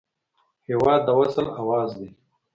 هېواد د وصل اواز دی.